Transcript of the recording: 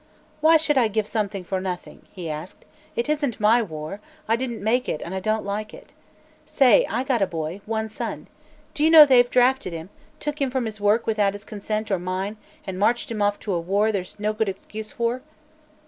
"Why should I give something for nothing?" he asked. "It isn't my war; I didn't make it, and I don't like it. Say, I got a boy one son. Do you know they've drafted him took him from his work without his consent, or mine, and marched him off to a war that there's no good excuse for?"